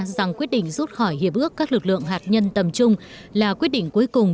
rằng quyết định rút khỏi hiệp ước các lực lượng hạt nhân tầm trung là quyết định cuối cùng